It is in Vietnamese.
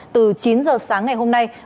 từ chín giờ sáng ngày hôm nay